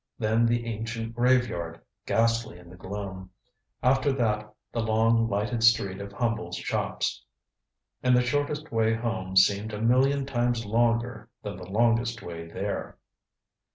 Then the ancient graveyard, ghastly in the gloom. After that the long lighted street of humble shops. And the shortest way home seemed a million times longer than the longest way there.